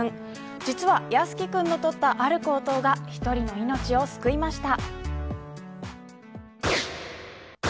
実は靖宜君のとったある行動が１人の命を救いました。